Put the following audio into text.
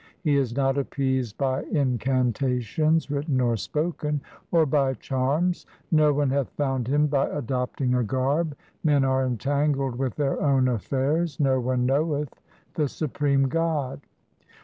He is not appeased by incantations, written or spoken, or by charms. No one hath found Him by adopting a garb. Men are entangled with their own affairs ; No one knoweth the Supreme God.